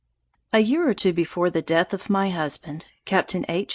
A year or two before the death of my husband, Capt. H.